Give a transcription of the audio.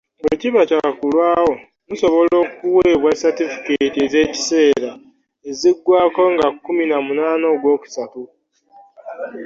Bw'ekiba kyakulwawo musobola okuweebwa ssatifikeeti ez’ekiseera eziggwako nga kkumi na munaana ogwokusatu.